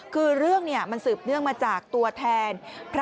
คือเรื่องเนี่ยมันสืบเนื่องมาจากตัวแทน